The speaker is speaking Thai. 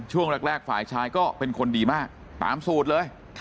ช่วงแรกฝ่ายชายก็เป็นคนดีมากตามสูตรเลย